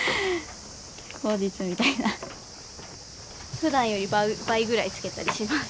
口実みたいな。ふだんより倍ぐらいつけたりします。